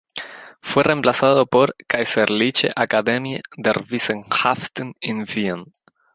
Fue reemplazada por "Kaiserliche Akademie der Wissenschaften in Wien.